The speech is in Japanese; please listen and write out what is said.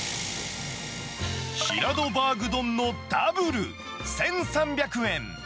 バーグ丼のダブル１３００円。